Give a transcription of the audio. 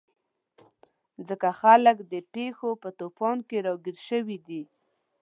ځکه خلک د پېښو په توپان کې راګیر شوي دي.